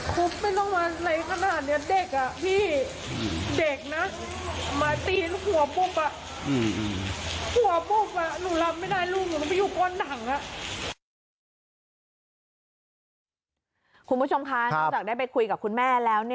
คุณผู้ชมคะนอกจากได้ไปคุยกับคุณแม่แล้ว